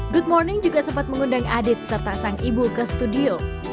good morning juga sempat mengundang adit serta sang ibu ke studio